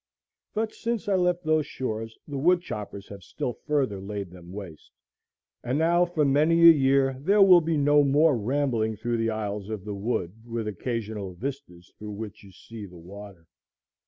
But since I left those shores the woodchoppers have still further laid them waste, and now for many a year there will be no more rambling through the aisles of the wood, with occasional vistas through which you see the water.